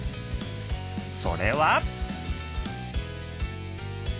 それは。